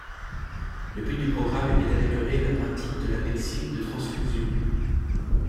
Le but du programme est d'améliorer la pratique de la médecine de transfusion.